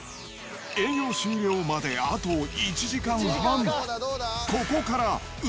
営業終了まで、あと１時間半。